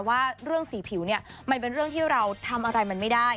ว่าเรื่องสีผิวเนี่ยมันเป็นเรื่องที่เราทำอะไรมันไม่ได้